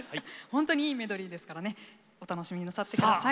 本当にいいメロディーですからねお楽しみになさってください。